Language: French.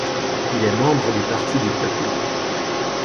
Il est membre du Parti du peuple.